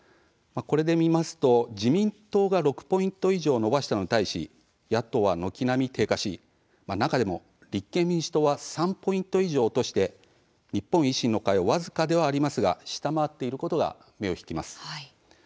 これで見ますと、自民党が６ポイント以上伸ばしたのに対し野党は軒並み低下し中でも立憲民主党は３ポイント以上落として日本維新の党は僅かではありますが、下回ったことが目を引きます。